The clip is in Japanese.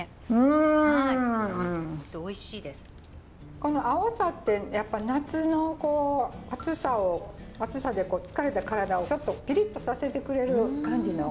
この青さってやっぱり夏の暑さで疲れた体をちょっとピリッとさせてくれる感じの香りになりますよね。